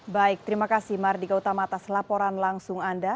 baik terima kasih mardika utama atas laporan langsung anda